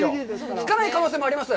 着かない可能性もあります。